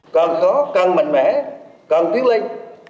càng khó càng mạnh mẽ càng tiến lên